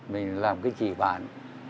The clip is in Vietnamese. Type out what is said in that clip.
mình làm cái chỉ bản